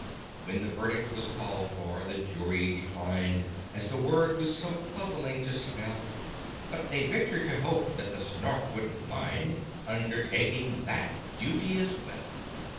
When the verdict was called for, the Jury declined, As the word was so puzzling to spell; But they ventured to hope that the Snark wouldn't mind Undertaking that duty as well.